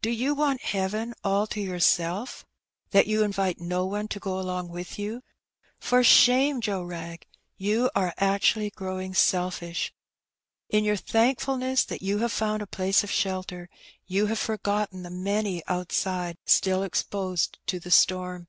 Do you want heaven all to yourself, that you 174 Her Benny. invite no one to go along with you ? For shame^ Joe Wrag, you are actually growing selfish! In your thank fulness that you have found a place of shelter^ you have forgotten the many outside still exposed to the storm.